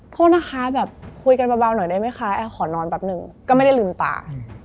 โทษนะคะแบบคุยกันเบาหน่อยได้ไหมคะขอนอนแป๊บนึงก็ไม่ได้ลืมตา